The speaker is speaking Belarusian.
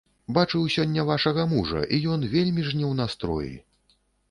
Бачыў сёння вашага мужа, і ён вельмі ж не ў настроі.